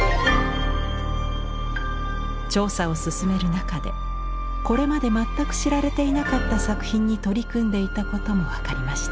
調査を進める中でこれまで全く知られていなかった作品に取り組んでいたことも分かりました。